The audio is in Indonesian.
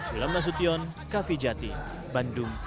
wilam nasution kavijati bandung